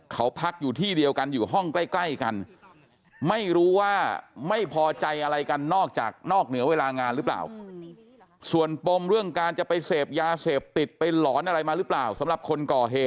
เขาพักอยู่ที่เดียวกันอยู่ห้องใกล้กัน